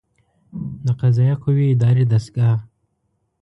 د قضائیه قوې اداري دستګاه